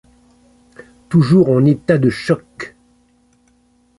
Toujours en état de choc.